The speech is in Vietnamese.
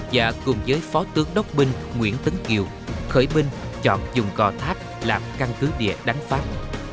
và cùng với phó tướng đốc binh nguyễn tấn kiều khởi binh chọn dùng gò tháp làm căn cứ địa đánh pháp